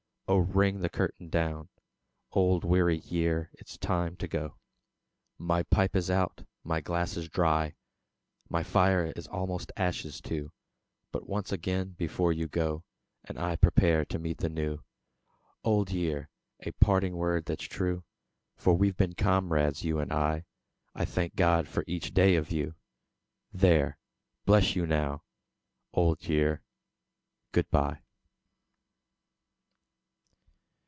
Oh, ring the curtain down! Old weary year! it's time to go. My pipe is out, my glass is dry; My fire is almost ashes too; But once again, before you go, And I prepare to meet the New: Old Year! a parting word that's true, For we've been comrades, you and I I THANK GOD FOR EACH DAY OF YOU; There! bless you now! Old Year, good bye!